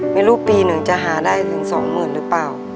ไม่รู้ปี๑จะหาได้ถึง๒หมื่นหรือเปล่า